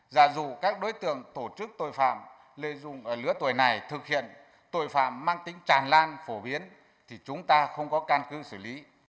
dạ dù các đối tượng tổ chức tội phạm lê dung ở lứa tuổi này thực hiện tội phạm mang tính tràn lan phổ biến thì chúng ta không có can cư xử lý